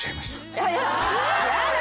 やだ！